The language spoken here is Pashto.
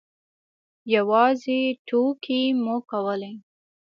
یوازې ټوکې مو کولې.